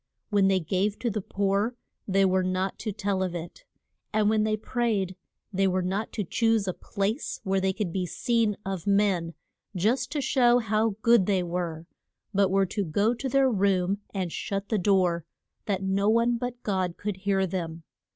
When they gave to the poor they were not to tell of it; and when they prayed they were not to choose a place where they could be seen of men just to show how good they were but were to go to their room and shut the door, that no one but God could hear them.